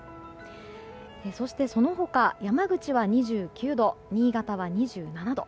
そしてその他、山口は２９度新潟は２７度。